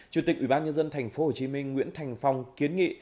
chủ tịch ủy ban nhân dân tp hcm nguyễn thành phong kiến nghị